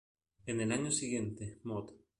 En el año siguiente, Mod.